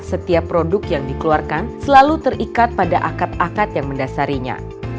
setiap produk yang dikeluarkan selalu terikat pada akad akad yang mendasarinya